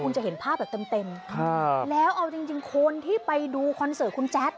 คุณจะเห็นภาพแบบเต็มเต็มแล้วเอาจริงคนที่ไปดูคอนเสิร์ตคุณแจ๊ด